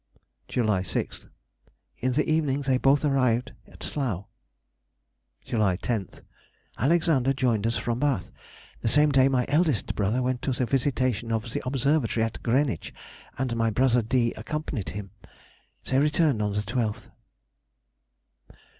July 6th.—In the evening they both arrived at Slough. July 10th.—Alexander joined us from Bath.... The same day my eldest brother went to the visitation of the Observatory at Greenwich, and my brother D. accompanied him. They returned on the 12th.